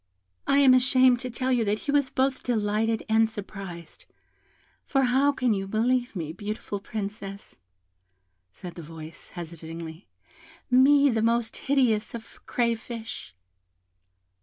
"I am ashamed to tell you that he was both delighted and surprised. For how can you believe me, beautiful Princess?" said the voice, hesitatingly, "me, the most hideous of crayfish?"